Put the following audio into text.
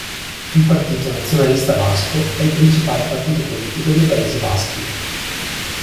Il Partito Nazionalista Basco è il principale partito politico dei Paesi Baschi.